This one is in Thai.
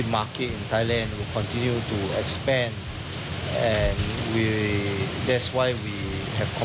เพราะฉะนั้นเราเชื่อว่า